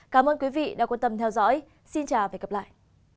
cảm ơn quý vị đã quan tâm theo dõi xin chào và hẹn gặp lại